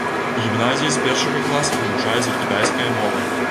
У гімназіі з першага класа вывучаецца кітайская мова.